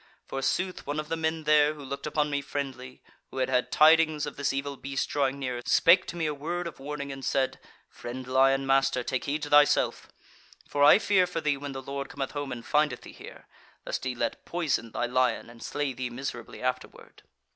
Forsooth one of the men there, who looked upon me friendly, who had had tidings of this evil beast drawing near, spake to me a word of warning, and said: 'Friend lion master, take heed to thyself! For I fear for thee when the Lord cometh home and findeth thee here; lest he let poison thy lion and slay thee miserably afterward.'